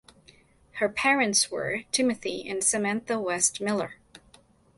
Her parents were Timothy and Samantha (West) Miller.